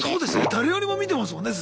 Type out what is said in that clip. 誰よりも見てますもんね